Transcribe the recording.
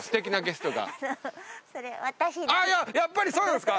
アッやっぱりそうなんですか！